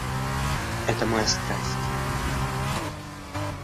Это моя страсть.